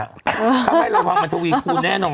ถ้าให้ระวังมันทวีคูณแน่นอน